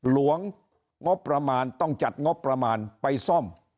หลวงงบประมาณต้องจัดงบประมาณไปซ่อม